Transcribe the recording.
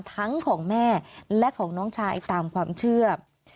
ทั้งของแม่และของน้องชายตามความเชื่อ